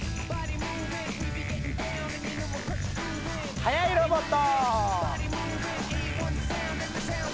はやいロボット！